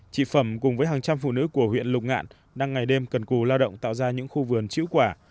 chị phẩm cùng với hàng trăm phụ nữ của huyện lục ngạn đang ngày đêm cần cù lao động tạo ra những khu vườn chữ quả